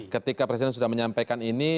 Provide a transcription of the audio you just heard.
ketika presiden sudah menyampaikan ini